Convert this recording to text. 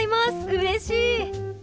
うれしい！